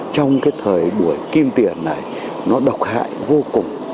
trong cái thời buổi kim tiền này nó độc hại vô cùng